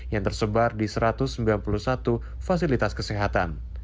yang tersebar di satu ratus sembilan puluh satu fasilitas kesehatan